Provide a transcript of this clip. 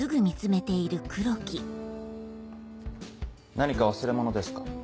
何か忘れ物ですか？